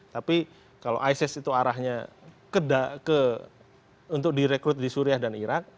tapi kalau isis itu arahnya untuk direkrut di suriah dan irak